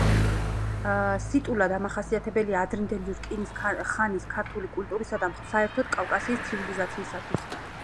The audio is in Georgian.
სიტულა დამახასიათებელია ადრინდელი რკინის ხანის ქართული კულტურისა და საერთოდ კავკასიის ცივილიზაციისათვის.